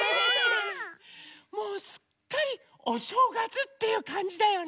もうすっかりおしょうがつっていうかんじだよね。